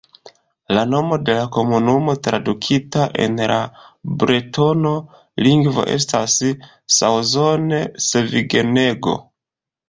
La nomo de la komunumo tradukita en la bretona lingvo estas "Saozon-Sevigneg".